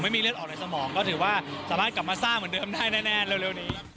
ไม่มีเลือดออกในสมองก็ถือว่าสามารถกลับมาสร้างเหมือนเดิมได้แน่เร็วนี้